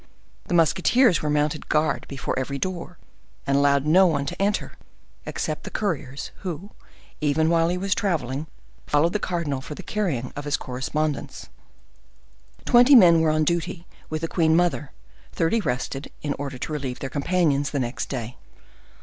The musketeers there mounted guard before every door, and allowed no one to enter, except the couriers, who, even while he was traveling, followed the cardinal for the carrying on of his correspondence. Twenty men were on duty with the queen mother; thirty rested, in order to relieve their companions the next day.